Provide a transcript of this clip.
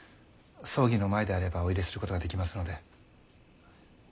葬儀の前であればお入れすることができますので。